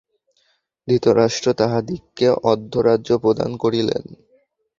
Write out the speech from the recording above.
ধৃতরাষ্ট্র তাঁহাদিগকে অর্ধরাজ্য প্রদান করিলেন।